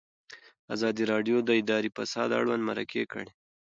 ازادي راډیو د اداري فساد اړوند مرکې کړي.